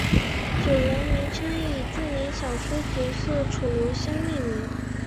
酒楼名称以著名小说角色楚留香命名。